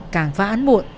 càng phá án muộn